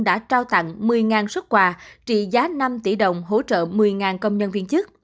đã trao tặng một mươi xuất quà trị giá năm tỷ đồng hỗ trợ một mươi công nhân viên chức